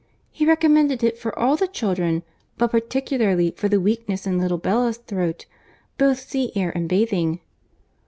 He recommended it for all the children, but particularly for the weakness in little Bella's throat,—both sea air and bathing."